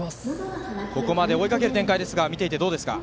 ここまで追いかける展開ですが見ていてどうですか？